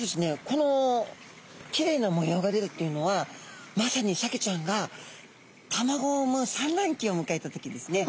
このきれいな模様が出るっていうのはまさにサケちゃんが卵を産むさんらんきをむかえた時ですね。